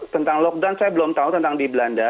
tentang lockdown saya belum tahu tentang di belanda